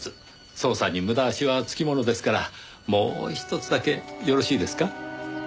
捜査に無駄足はつきものですからもうひとつだけよろしいですか？